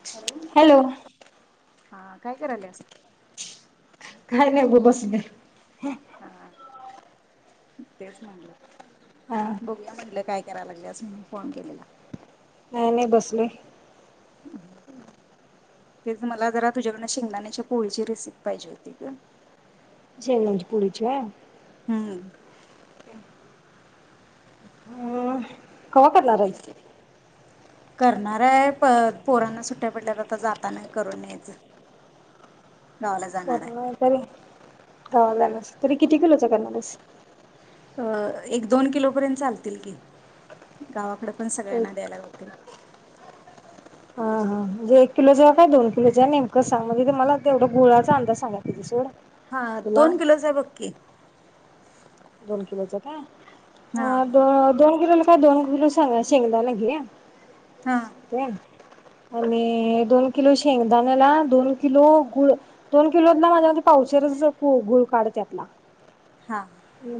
[inaudible] Hello. हां काय करायलेस? काय नाही ब बसलेय. हा तेच म्हणलं. बघूया म्हंटलं काय कराय लाग्. लीस फोन केलेला. नाही नाही बसलेय. तेच मला जरा तुझ्याकडन शेंगदाण्याच्या पोळीची रेसिपी पाहिजे होती गं. शेंगदाण्याची पोळीची व्हंय. हम्म. हम्म कवा करणार आहेस? करणार हाय प् पोरांना सुट्ट्या पडल्या आता जाताना करून न्यायचं. गावाला [inaudible] जाणार आहे गावाला जाणार. तरी किती किलोच करणार हायीस? अ एक दोन किलोपर्यत चालतील की गावाकडं. पण सगळ्यांना एक द्यायला गावतील. हा हा म्हणजे एक किलोेच हाय की दोन किलोचं नेमकं सांग म्हणजे मला तेवढा गुळाचा अंदाज सांगाय पाहिजे सोड. हां तुला दोन किलोच बग की. दोन किलोच काय. हा हं दो दोन किलो दोन किलो शेंगा शेंगदान घे. [inaudible] हा आणि दोन किलो शेंगदाण्याला दोन किलो गुळ दोन किलोतला माझ्या मते पावशेरच गुळ काढ त्यातला. हां.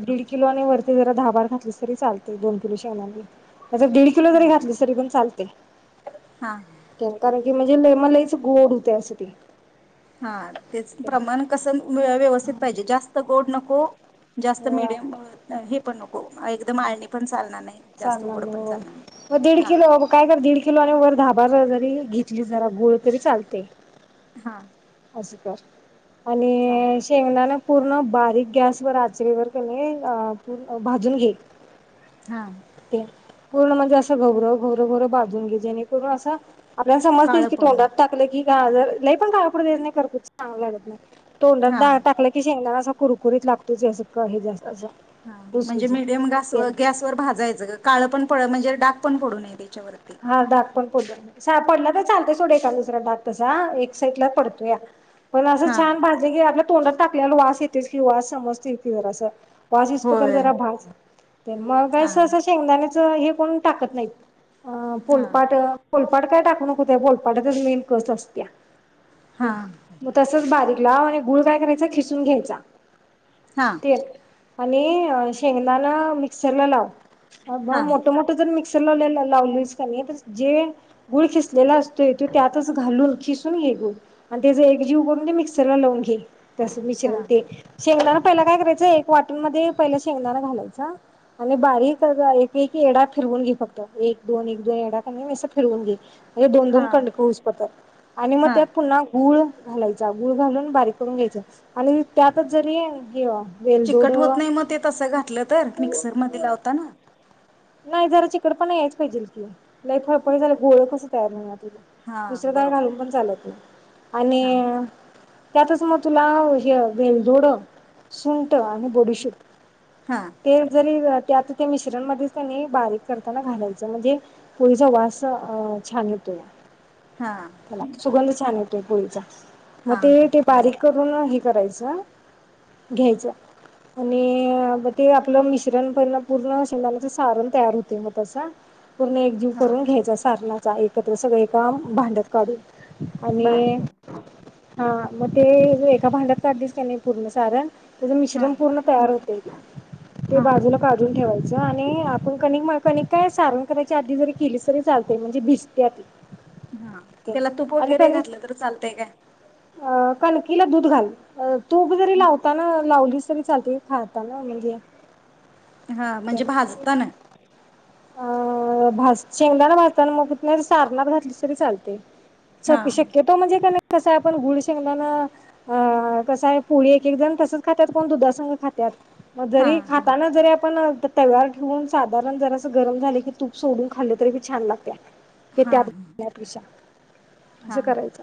दीड किलो आणि वरती जरा दहा भार घातलस तरी चालतंय दोन किलो शेंगदाण्याला. त्यात दीड किलो जरी घातलीस तरी पण चाल्. तंय. हा केमका र [inaudible] की म्हणजे लय म् लईच गोड होत असं ते. हां तेच प्रमाण कसं व्यवस्थित पाहिजे जास्त गोड नको. को. जास्त हो मीडियम हे पण नक् को एकदम आळणी पण चालणार नाही. जास्त चालणार गोड नाही पण व्हय चालणार नाही म् दीड हा किलो काय कर दीड किलो आणि वर दहा भार जरी घेतली जरा गोळ तरी चालतंय. हाअ्ं स अल [inaudible] आणि शेंगदाण पूर्ण बारीक गॅस वर आचरी कणी भाजून घे. हाअ्ं. ते पूर्ण म्हणजे असं घवरं घवरं घवरं भाजुन घे जेणेकरून असं- आपल्याला काळं समजतंयच की पडून तोंडात टाकले की गाजर लई पण काळ पडून द्यायचं नाही, करपूस चांगल लागत नाही. तोंडात हा डाळ टाकला, की शेंगदाणा असा कुरकुरीत लागतो जसं का हे जास् हा म्हणजे मीडियम तेन गॅसवर गॅसवर भाजायचं ग. काळंपण पडत नाही, ज्यावर डागपण पडू नये ते. हा डाग पण पडू द्यायचं नाही, कसं हाय पडला तर चालतोय सोड एखांद दुसरं. [unintelligible] एक साईडला पडतोय. पण असं हा छान भाजलं की आपल्या तोंडात टाकलल्यालं वास येतोयच की ओ, तवा समजतंयच की जरासं. वास येईस तोपर होय जरा भाज. तर मग हा वाईस असं शेंगदाण्याचं चं हे कोण टाकत नाहीत. अ हा फोलपाट फोलपाट काय टाक कू नको, त्या फोलपाटातच मेन कस असत्या. हा मग तसंच बारीक लाव आणि गुळ काय करायचा खिसून घ्यायचा. हा तेल आणि शेंगदाणं मिक्सरला लाव. अ हा बं मोठं मोठं जर मिक्स तर लावल्याला लावली [unintelligible] जे गुळ खिसलेला असतूय, त्या त्यातच घालून खिसून घे गुळ आणि त्याजं एकजीव करून ते मिक्सरला लावून घे. तसं हा मिश्रण ते शेंगदाणं पहिला काय करायचं? एक वाटणमध्ये पहिलं शेंगदाणा घालायचा आणि बारीक याचा एक एक येडा फिरवून घे फक्त एक दोन एक दोन येडा का न्हाय असं फिरवून घे. हे दोन हा दोन कंडक हुसपातर आणि मग हा त्यात पुन्हा गुळ घालायचा, गुळ घालून बारीक करून घ्यायचं. आणि त्यातच जरी हे चिकट होत वेळदोडं नाही मग ते तसं घातलं तर मिक्सरमध्ये लावताना नाही, जरा चिकटपणा यायचं पाहिजेल की. लाय फळफळीत झालं गोळ कसं तयार होणार? हां दुसरं काय बरोबर घालूनपण आहे चालत नाही हां आणि त्यातच मग तुला हे वेलदोड, सुंट आणि बडूशुप हां ते जरी घात ते आता त्या मिश्रण मध्येच कनी बारीक करताना घालायच. म्हणजे पोळीचा वास छान येतोय. हां त्याला सुगंध चांग [unintelligible] त्या पोळीचा- म ते हां ते बारीक करून- [unintelligible] हे करायचं घ्यायचं. आणि- म ते आपलं मिश्रण- पहिला पूर्ण शेंगदाण्याचे सारण तयार होतय म तस- पूर्ण एकजीव हां करून घ्यायचा सारनात. [unintelligible] सगळ ये का भांड्यात काढून- बारीक आणि करून. हा म ते एका भांड्यात काढलीस कानाई पूर्ण सारण- त्याच हां मिश्रण पूर्ण तयार होतय, ते हां बाजूला काढून ठेवायच. च आणि आपण कानाई म कणिक - सारण करायची आधी जरी केलीस तरी चालतय म्हणजे भिजतिया ती. हा- त्याला तूप आणि वगैरे कणिक घातलं तर चालतय काय? तिला दूध घाल. तूप जरी लावताना लावलीस- तरी चालतय खाताना म्हणजे- हा म्हणजे भाजताना- अं -भाज शेंगदाना भाजताना मग नाही तर सारनात घातलीस तरी चालते. हां शक शक्यतो म्हणजे कनाई - कसं आपण, गुळ शेंगदान अ- कसं हाय पोळी एक एक जण तसच खात्यात कोण दुधासंघ खातात. मग हां जरी हां खाताना जरी आपण- त तव्यावर ठेऊन साधारण जरास- गरम झाले की तूप सोडून खाल्ल तरी बी छान लागत. ते त्यात हां घालण्या पेक्षा. असं हां करायच.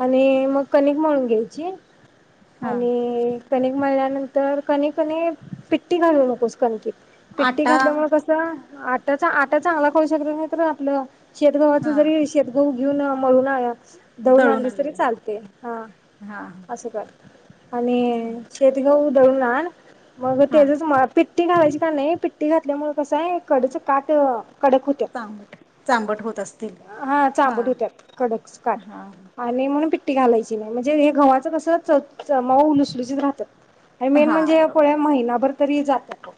आणि -मग कणिक मळून घ्यायची, हां आणि- कनिक मळल्यानंतर, कनी कनी पिट्टी घालू नकोस कणकित. पिट्टी आटा घातल्यामुळं कसं? आट्याचा आटा चांगलं पाहिजे बरं आपलं शेतगवाचं हां जरी शेतगहू यु नो. [unintelligible] दळून आणलीस तरी चालतेय, ह हां अस कर आणि शेतगहू दळून आन मग हां तेजचं मला पीत पिट्टी घालायची का नाही, पिट्टी घातल्यामुळं कसं हाय कडच काटं. कडक हुत्यात, चांबट चांबट होत असतील हा हां चांबट होत्यात. कडक काठ हां आणि मग पि टी घालायची नाही म्हणजे हे गव्हाचं कस च च मऊ लुसलुशीत राहत्यात. आणि मेन हां म्हणजे ह्या बरोबर पोळ्या आहे महिनाभर तरी जात्यात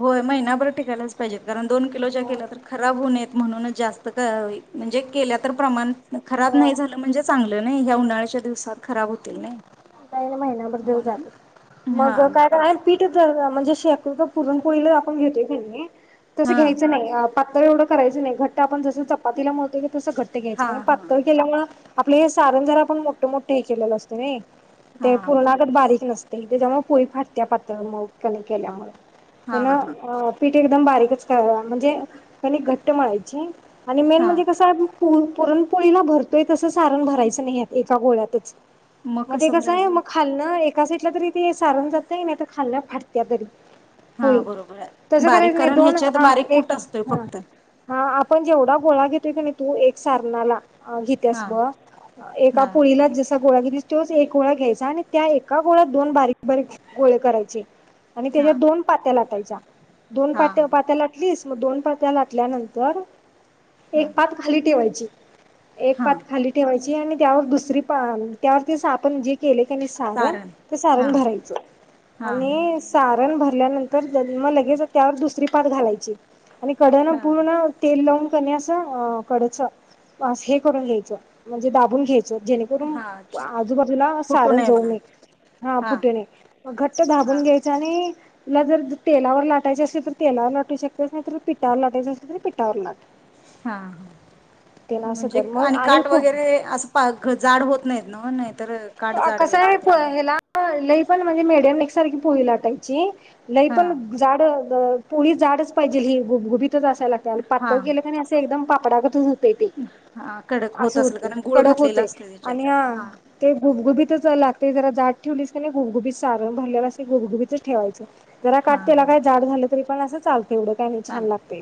होय महिनाभर टिकायलाच पाहिजेत. कारण दोन किलोच्या केल्या तर खराब होऊ नयेत. म्हणूनच जास्त तय म्हणजे केल्या तर प्रमाण खराब नाही झालं म्हणजे चांगलं. ह्या उन्हाळ्याच्या दिवसात खराब होतील नी. काय ग महिन्याभर देऊ जात, मग हा काय करायचं तेच पीठचं दळ म्हणजे शक्यतो पुरणपोळीला आपण घेतोय कणी तसं हा घ्यायचं नाही, आप पातळ एवढं करायचं नाही घट्ट ते आपण जसं चपातीला मळतोय की, तसं घट्ट घ्यायच हा कारण हा पातळ केल्यामुळ आपलं हे सारन जरा आपण मोठ मोठ हे केलेलं असतोय हेनी. ते, हा बरं पूर्णागत बारीक नसत. तेच्यामुळे पोळी फाटत्या पातळ मऊ कणिक केल्यामुळं. ते हा हा नव्ह अ पीठ एकदम बारीकच करा, म्हणजे कणिक घट्ट मळायची आणि मेन हा म्हणजे कसं आहे पुरणपोळीला भरतोय तसं, सारण भरायचं नाही ह्यात एका गोळ्यातच. मग कसं बरं. काय मग खालणं एक एका साईटला तरी ते सारण जातयं, नाहीतर खालन फाटत्या तरी. हा पोळी बरोबर आहे. तसं बारीक करायचं नाही कारण दोन ह्याच्यात हा बारीक कुठ असतोय फक्त, पण जेवढा गोळा घेतोय की, तू एक सारणाला. अ घेत्यास हा बगं एका हा पोळीला जसा गोळा घेतीस. त्योच एक. गोळा घ्यायचा आणि त्या एका गोळ्यात दोन बारीक बारीक गोळे करायचे. आणि हा तेज्या दोन पात्या लाटायच्या. दोन हा पात्या पात्या लाटलीस. मग दोन पात्या लाटल्यानंतर हा एक पात खाली ठेवायची. एक हा पात खाली ठेवायची आणि त्यावर दुसरी पा त्यावरती सां आपण जे केलय. आणि सारण ते सारण भरायचं हा आणि सारण भरा त्यानंतर मग लगेच त्यावर दुसरी पात घालायची. आणि कडेन हा पूर्ण तेल लावून त्यांनी अस कडच हे करून घ्यायच म्हणजे दाबून घ्यायचं. जेणेकरून हा आजूबाजूला फुटू सारण जाऊ नये म्हणून हा फुटू नये घट्ट हा. धाबून घ्यायच आणि तुला जर तेलावर लाटायच असल तर तेलावर लाटू शकत्यास नाहीतर पिठावर लाटायचं असल तर पिठावर लाट. हा ह तेला असं म्हणजे कर मग आणि काट वगैरे असं जाड होत नाहीत नव नाही. कस आहे हेला लईच. पण म्हणजे मिडीयम एकसारखी पोळी लाटायची. नाही हा पण जाड. हो पोळी जाडच पाहिजे ही गुबगुबीत असायला पाहिजे हा. पातळ केलं अस एकदम [unintelligible] हा कडक होत असं असल होते कारण गुळ कडक घातलेलं होते असतय आणि हा त्याच्यात ते गुबगुबीतच लागतंय जरा जाड ठेवलीस कणी गुबगुबीत सारण भरलेलं असतंय गुबगुबीत ठेवायचं. जरा हा काट केला हा काय जाड झालं. तरी पण अस चालतंय. तेवढं काही नाही छान चाल लागतय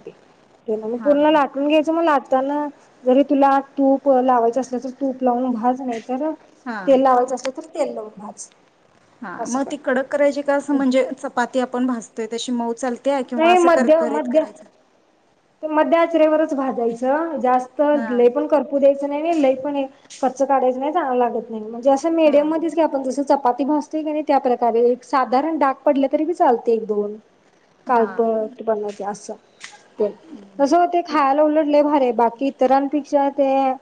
ते म हा हा. पूर्ण लाटून घ्यायचं मग ला त्यांना जरी तुला तूप लावायचं असल्याचं तूप लावून भाज नाहीतर हा. तेल लावायचं असेल तर तेल लाव. भाज. हा असं मग ती कडक करायची का असं कर म्हणजे चपाती आपण भाजतोय तशी मऊ चल. नाही मध्य मध्य मध्य आचेवरच भाजायच. चल. जास्त हा लई पण करपू द्यायची तस नाही लई पण खर्च काढायच नाही चांगल लागत नाही मग जस हा मिडयम मध्येच की आपण जस चपा चपाती भाजतोय क नई त्या प्रकारे साधारण डाग पडल तरी बी चालतय एक दोन हा. काळपट बनवतय अस. ते कस हम्म. होतय खायला उलट लई भारी हाय बाकी इतरांपेक्षा ते अ.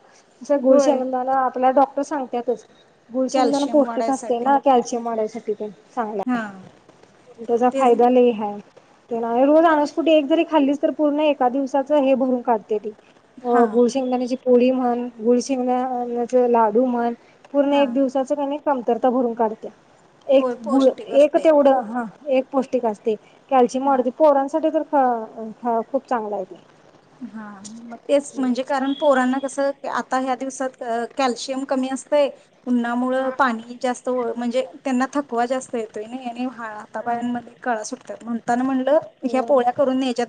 अस गुळ होय शेंगदाणा आपल्या डॉ तस सांगत्यातच. गुळशेंगदाणा कॅल्शियम पौष्टिक असतय वाढायसाठी ना कॅल्शियम वाढायसाठी. [unintelligible] चांगला हा आहे त्याचा तेच फायदा लई हाय. ते ना र आणसपुटी एक जरी खाल्लीस तर पूर्ण एका दिवसाच हे भरून काढतय ते. होय हा. गुळ शेंगदाण्याची पोळी म्हण गुल शेंगदाण्याचं लाडू म्हण. पूर्ण हा एक दिवसाच कन्हे कमतरता भरून काढत्या. एक होय गुळ पौष्टिक एक असतंय तेवढं हा. एक पौष्टिक असतय. कॅल्शियम हा वाढवतय पोरांसाठी तर ह ह खूप चांगला आहे ते. हा मग तेच म्हणजे कारण पोरांना कसं. आता ह्या दिवसात कॅल्शियम कमी असतय. उन्हामुळ पाणी जास्त व म्हणजे त्यांना थकवा जास्त येतोय नाई हा आता पायांमध्ये कळा सुट त्यात म्हणता म्हल [unintelligible] या पोळ्या करून न्यायच्या,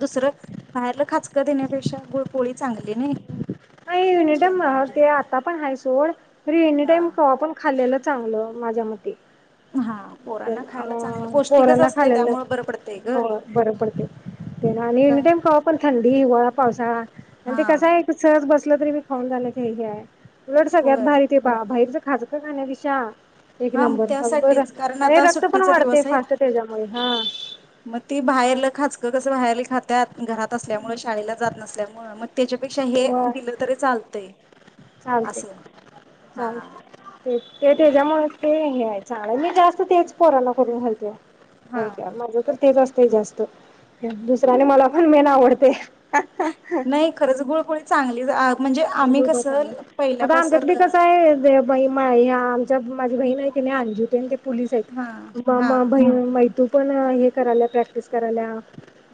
बाहेरलं खात [unintelligible] देण्यापेक्षा गुळपोळी चांगली नइ. नाही एनी टाईम ते आता पण आहे सोड. एनी हा टाईम कवा पण खाल्लेलं चांगलं माझ्या मते. हा. पोरांना अ खायला चांगलं पौष्टिकच पोरांना असतंय खालेलं त्यामुळे बरं पडतंय ग हो बरं पडतंय आणि एनी टाइम खवा पण थंडी, हिवाळा पावसाळा आणि ते हा कसं आहे सहज बस कसलं तरी मी खाऊन झालं की हे हाय उलट सगळ्यांत होय भारी ते बा बाहेरचं खाजग खाण्यापेक्षा एक हा मग नंबर [unintelligible] बरं त्यासाठीच कारण आता रक्त पण सुट्टीचा वाढतंय दिवस आहे फास्ट त्याच्यामुळे हा. मग ती बाहेरलं खाचकं कसं बाहेर खात्यांत, घरात असल्यामुळे शाळेला जात नसल्यामुळ. मग त्याच्यापेक्षा हे दिलं तरी चालतंय. चालतंय, असं हा चालतंय. तेच ते तेच त्यांच्यामुळे ते हे हाय चालाय मी जास्त तेच पोरांना करून घालते. हा. होय काय माझं तर तेच असतंय जास्त. दुसर आणि मला पण मेन आवडते. नाही खरंच गुळपोळी चांगलीच आ म्हणजे आम्ही कसं [unintelligible] आता आमच्यात पहिल्यापासून बी कसं हाय ते बाई मी ह्या आमच्या माझी बहीण हाय की नई अंजू तेन ते पोलीस आहेत. हा हा मामा बहीण मैतू पण हे कराल्या प्रॅक्टिस कराल्या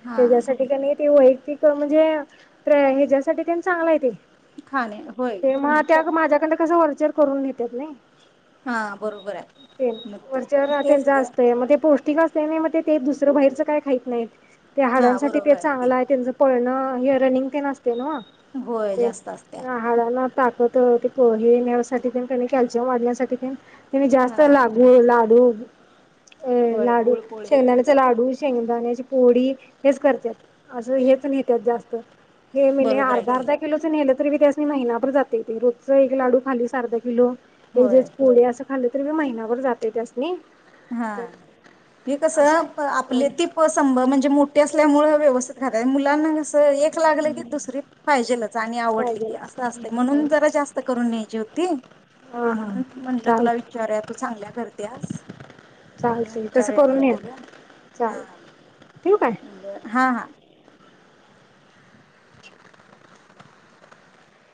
हा त्याच्यासाठी कनई ते वैयक्तिक म्हणजे ह्यांच्यासाठी तेन चांगल आहे ते खाणे होय ते मग त्या तर माझ्याकंड कसं व्हाल चर करून घेतात नाही हा बरोबर ते आहे मग ते- वरच्यावर तेच त्यांच ग असतंय. मग ते पौष्टि [unintelligible] असतयं नाही, मग ते दुसरं बाहेरच काय खाईत नाहीत. ते हाडांसाठी ते चांगलं आहे. त्यांचं पळणं रनिंग तेन अस तेे नव्हं होय ते जास्त असत्या [unintelligible] त हे नेण्यासाठी तेन कणी कॅल्शियम वाढण्यासाठी तेन ते जास्त हा लागू लाडू अ होय लाडू गुळपोळी शेंगदाण्याचे लाडू शेंगदाण्याची पोळी हेच करत्यात. असं हेच न्हेत्यात जास्त हे मी न बरोबर आहे की अर्धा-अर्धा किलोच नेलत. तरीबी त्यासणी महिनाबर जाते रोज एक लाडू खालीस, अर्धा किलो एक होय दिवस पोळी असं खाली तरीबी महिनाभर जातय त्यास नी हां हे कस असं आहे आपले ती संभ म्हणजे मोठी असल्यामुळे व्यवस्थित खात्यात मुलं मुलांना च एक लागलं की दुसरी पाहिजेलच आणि आवडली पाहिजे की असं असतंय म्हणून जरा जास्त करून न्यायची होती हा हा म्हणून म्हटलं तुला चालत विचारुया तू चांगल्या करतेस. चालतय तसं करून न्हे म हा चालतयं. हा हा